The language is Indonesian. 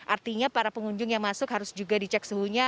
artinya para pengunjung yang masuk harus juga dicek suhunya